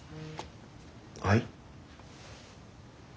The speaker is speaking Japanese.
はい？